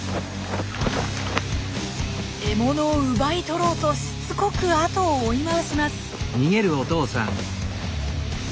獲物を奪い取ろうとしつこく後を追い回します。